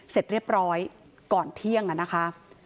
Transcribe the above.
เสร็จเรียบร้อยก่อนเที่ยงนะคะ